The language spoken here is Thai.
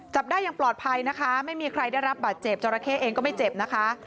จราเข้เองก็ไม่เจ็บนะคะ